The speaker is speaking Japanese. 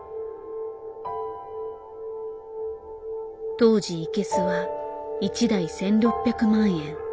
当時イケスは１台１，６００万円。